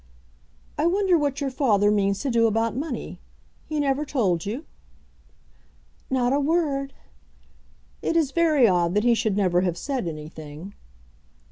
"I wonder what your father means to do about money? He never told you?" "Not a word." "It is very odd that he should never have said anything."